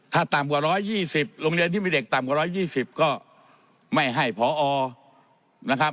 ถ้าต่ำกว่า๑๒๐โรงเรียนที่มีเด็กต่ำกว่า๑๒๐ก็ไม่ให้พอนะครับ